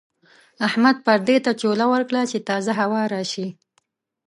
احمد پردې ته چوله ورکړه چې تازه هوا راشي.